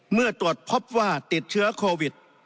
เมื่อตรวจพบว่าติดเชื้อโควิด